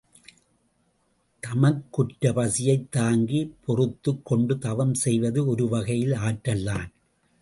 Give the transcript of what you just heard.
தமக்குற்ற பசியைத் தாங்கி, பொறுத்துக் கொண்டு தவம் செய்வது ஒரு வகையில் ஆற்றல்தான்.